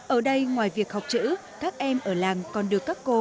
ở đây ngoài việc học chữ các em ở làng còn được các cô